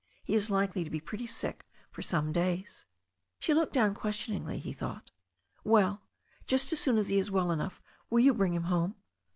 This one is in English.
He is likely to be pretty sick for some days." She looked down questioningly, he thought "Well, just as soon as he is well enough, will you bring him home?"